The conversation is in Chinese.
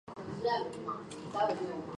佤德昂语支的分类还不完全确定。